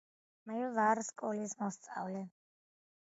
მე ვარ სკოლის მოსწავლე